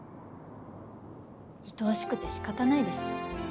いとおしくてしかたないです。